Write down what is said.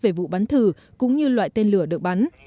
về vụ bắn thử cũng như loại tên lửa được bắn